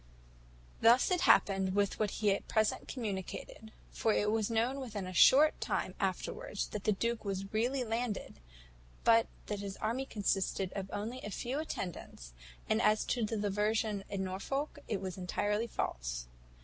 "Thus it happened with what he at present communicated; for it was known within a short time afterwards that the duke was really landed, but that his army consisted only of a few attendants; and as to the diversion in Norfolk, it was entirely false.